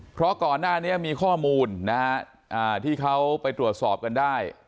เพราะก่อนหน้านี้มีข้อมูลนะฮะที่เขาไปตรวจสอบกันได้